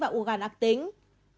và u gan ác tính